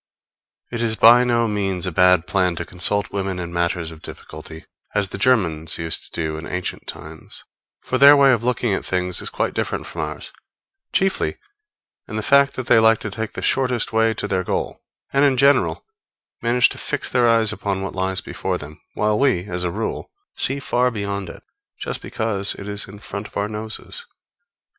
It is by no means a bad plan to consult women in matters of difficulty, as the Germans used to do in ancient times; for their way of looking at things is quite different from ours, chiefly in the fact that they like to take the shortest way to their goal, and, in general, manage to fix their eyes upon what lies before them; while we, as a rule, see far beyond it, just because it is in front of our noses.